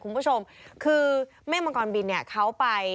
คุณผู้ชมคือเมฆมังกรบินเนี่ยเขาไป